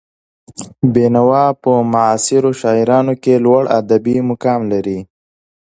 بېنوا په معاصرو شاعرانو کې لوړ ادبي مقام لري.